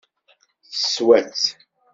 Teswa-tt?